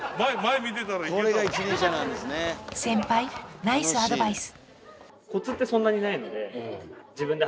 先輩ナイスアドバイス！